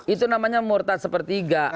itu namanya murtad sepertiga